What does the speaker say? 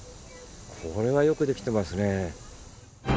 これはよくできてますね。